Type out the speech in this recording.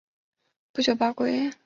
不久罢归。